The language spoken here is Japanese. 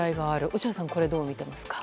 落合さん、どう見ていますか？